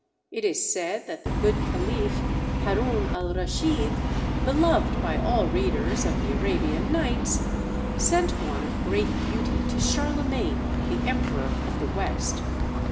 It is said, that the good caliph, Harun al Raschid, beloved by all readers of the "Arabian Nights," sent one of great beauty to Charlemagne, the Emperor of the West.